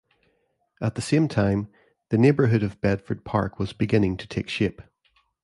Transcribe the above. At the same time, the neighborhood of Bedford Park was beginning to take shape.